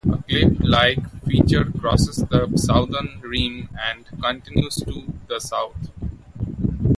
A cleft-like feature crosses the southern rim and continues to the south.